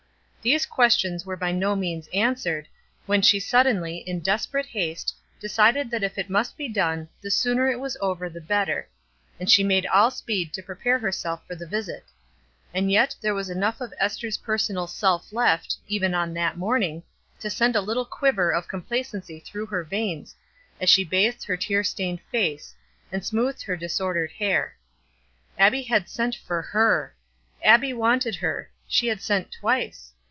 These questions were by no means answered, when she suddenly, in desperate haste, decided that if it must be done, the sooner it was over the better, and she made all speed to prepare herself for the visit; and yet there was enough of Ester's personal self left, even on that morning, to send a little quiver of complacency through her veins, as she bathed her tear stained face, and smoothed her disordered hair. Abbie had sent for her. Abbie wanted her; she had sent twice.